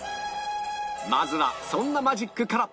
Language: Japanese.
まずはそんなマジックから